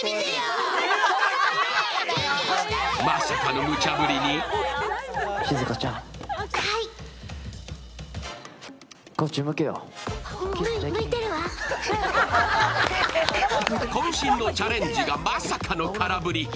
まさかの無茶ぶりにこん身のチャレンジがまさかの空振り。